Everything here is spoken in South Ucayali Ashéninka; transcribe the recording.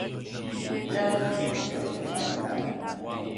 Iriani riyotzi ijankinatzi